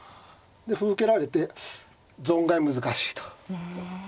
で歩受けられて存外難しいと。